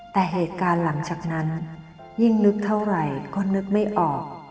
แต่เหตุการณ์หลังจากนั้นยิ่งลึกเท่าไหร่ก็นึกไม่ออก